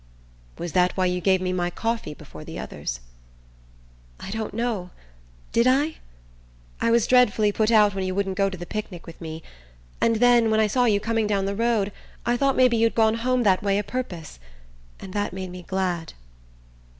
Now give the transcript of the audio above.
"Was that why you gave me my coffee before the others?" "I don't know. Did I? I was dreadfully put out when you wouldn't go to the picnic with me; and then, when I saw you coming down the road, I thought maybe you'd gone home that way o' purpose; and that made me glad."